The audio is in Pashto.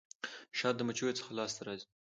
شات د مچيو څخه لاسته راځي.